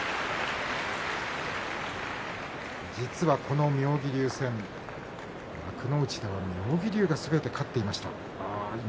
実は妙義龍戦、幕内では妙義龍がすべて勝っていました。